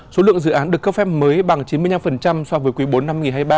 số lượng dự án được cấp phép mới bằng chín mươi năm so với quý bốn năm hai nghìn hai mươi ba